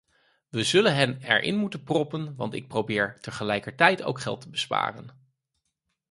We zullen hen erin moeten proppen, want ik probeer tegelijkertijd ook geld te besparen.